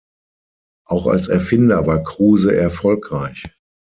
Auch als Erfinder war Kruse erfolgreich.